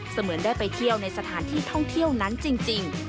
เหมือนได้ไปเที่ยวในสถานที่ท่องเที่ยวนั้นจริง